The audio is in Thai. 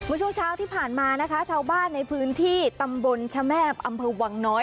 ช่วงเช้าที่ผ่านมานะคะชาวบ้านในพื้นที่ตำบลชะแมบอำเภอวังน้อย